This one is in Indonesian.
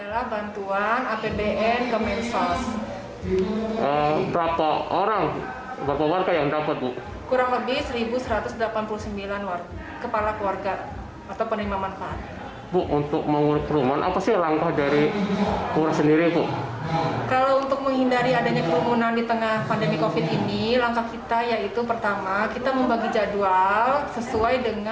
langkah kita yaitu pertama kita membagi jadwal sesuai dengan rw